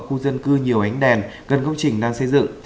khu dân cư nhiều ánh đèn gần công trình đang xây dựng